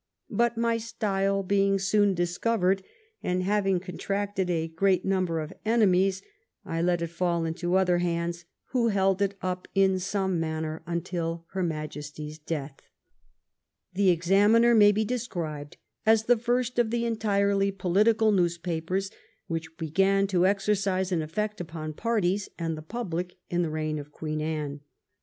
But my stile being soon discovered, and having contracted a great number of enemies, I let it fall into other hands, who held it up in some manner until her Majesty's death." The Examiner may be described as the first of the entirely political newspapers which began to exercise an efiFect upon parties and the public in the reign of Queen Anne.